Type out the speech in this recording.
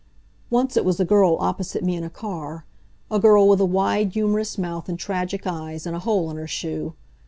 Once it was a girl opposite me in a car a girl with a wide, humorous mouth, and tragic eyes, and a hole in her shoe.